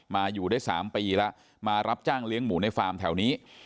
อยู่ได้๓ปีแล้วมารับจ้างเลี้ยงหมูในฟาร์มแถวนี้